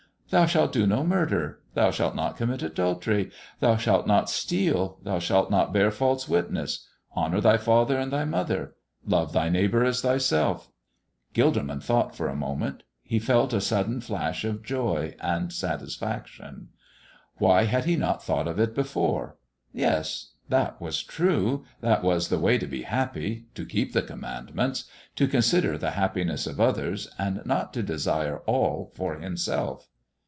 "Thou shalt do no murder. Thou shalt not commit adultery. Thou shalt not steal. Thou shalt not bear false witness. Honor thy father and thy mother. Love thy neighbor as thyself." Gilderman thought for a moment. He felt a sudden flash of joy and satisfaction. Why had he not thought of it before. Yes, that was true, that was the way to be happy to keep the Commandments to consider the happiness of others, and not to desire all for himself.